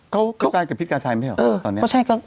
เขาคยใกล้กับพิจารณาชัยไหม